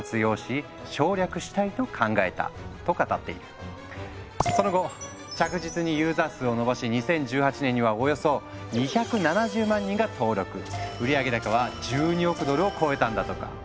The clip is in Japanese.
創業者のカトリーナ・レイクはその後着実にユーザー数を伸ばし２０１８年にはおよそ２７０万人が登録売上高は１２億ドルを超えたんだとか。